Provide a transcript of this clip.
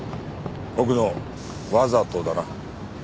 奥野わざとだな？